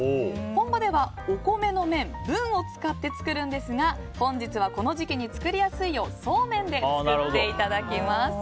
本場ではお米の麺ブンを使って作るんですが本日はこの時期に作りやすいよう、そうめんで作っていただきます。